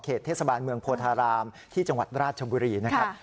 เทศบาลเมืองโพธารามที่จังหวัดราชบุรีนะครับ